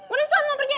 udah susah mau pergi